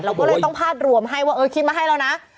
เราก็เลยต้องพาดรวมให้ว่าเออคิดมาให้แล้วนะ